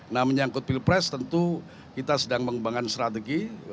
nah menyangkut pilpres tentu kita sedang mengembangkan strategi